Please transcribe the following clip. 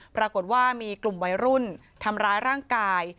ปรากฏว่ามีกลุ่มวัยรุ่นทำร้ายร่างกาย